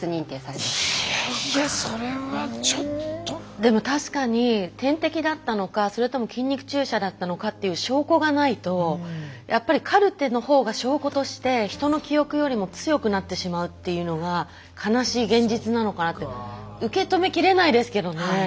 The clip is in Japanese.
でも確かに点滴だったのかそれとも筋肉注射だったのかっていう証拠がないとやっぱりカルテの方が証拠として人の記憶よりも強くなってしまうっていうのが悲しい現実なのかなって受け止めきれないですけどね。